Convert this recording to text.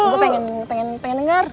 gua pengen pengen pengen denger